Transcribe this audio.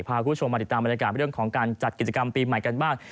พาคุณผู้ชมมาติดตามบรรยากาศเรื่องของการจัดกิจกรรมปีใหม่กันบ้าง